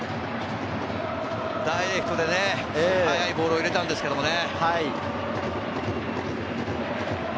ダイレクトでね、速いボールを入れたんですけどね。